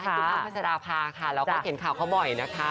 ให้คุณพรรษราพาร์ค่ะเราก็เข็นข่าวเขาบ่อยนะคะ